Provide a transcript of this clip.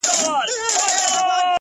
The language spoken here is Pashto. • خدای درکړی لوړ قامت او تنه پلنه,